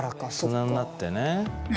大人になってね。